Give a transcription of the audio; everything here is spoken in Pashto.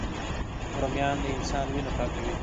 رومیان د انسان وینه پاکوي